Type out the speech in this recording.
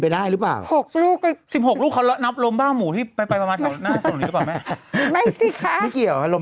โทษทีน้องโทษทีน้อง